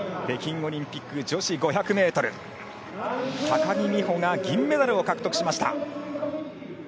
北京オリンピック女子５００ｍ高木美帆が銀メダルを獲得しました。